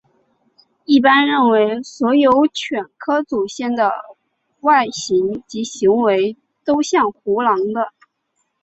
一般认为所有犬科祖先的外观及行为都像胡狼的。